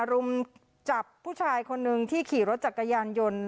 รุมจับผู้ชายคนหนึ่งที่ขี่รถจักรยานยนต์